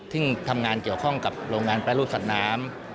ซึ่งทำงานเกี่ยวข้องกับโรงงานแปรรูปสัตว์น้ำ